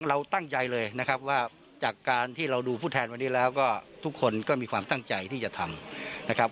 เราตั้งใจเลยนะครับว่าจากการที่เราดูผู้แทนวันนี้แล้วก็ทุกคนก็มีความตั้งใจที่จะทำนะครับ